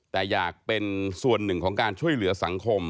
แต่อยากเป็นส่วนหนึ่งของการช่วยเหลือสังคม